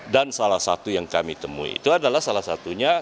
dan salah satu yang kami temui itu adalah salah satunya